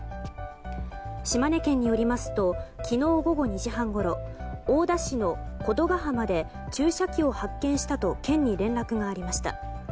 島根県によりますと昨日午後２時半ごろ大田市の琴ヶ浜で注射器を発見したと県に連絡がありました。